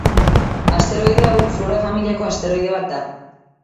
Asteroide hau, Flora familiako asteroide bat da.